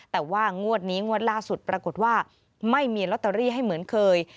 แต่ว่างวดนี้งวดล่าสุดปรากฏว่าไม่มีลอตเตอรี่ให้เหมือนเคย